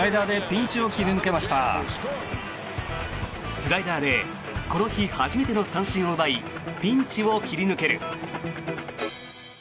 スライダーでこの日初めての三振を奪いピンチを切り抜ける。